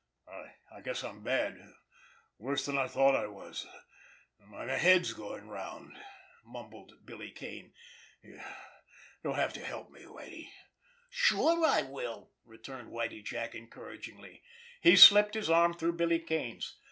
"I guess I'm bad—worse than I thought I was—my head's going round," mumbled Billy Kane. "You'll have to help me, Whitie." "Sure, I will!" returned Whitie Jack encouragingly. He slipped his arm through Billy Kane's.